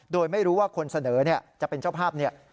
โดยไม่รู้ว่าคนเสนอจะเป็นเจ้าภาพเนี่ย